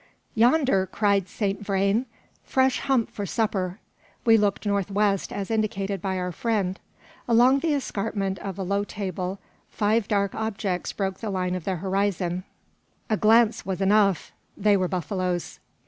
"Yonder!" cried Saint Vrain; "fresh hump for supper!" We looked north west, as indicated by our friend. Along the escarpment of a low table, five dark objects broke the line of the horizon. A glance was enough: they were buffaloes.